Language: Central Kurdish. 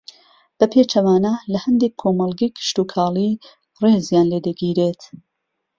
بە پێچەوانە لە ھەندێک کۆمەڵگەی کشتوکاڵی ڕێزیان لێدەگیرێت